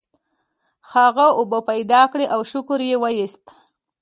هغه اوبه پیدا کړې او شکر یې وویست.